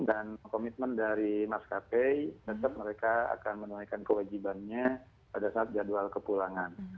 dan komitmen dari mas kapey tetap mereka akan menunaikan kewajibannya pada saat jadwal kepulangan